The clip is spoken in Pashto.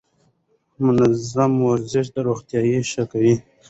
منظم ورزش روغتيا ښه کوي.